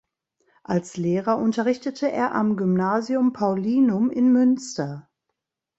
Als Lehrer unterrichtete er am Gymnasium Paulinum in Münster.